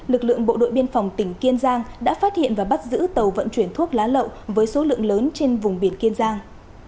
lực lượng bộ đội biên phòng tỉnh kiên giang đã phát hiện và bắt giữ tàu vận chuyển thuốc lá lậu với số lượng lớn trên vùng biển kiên giang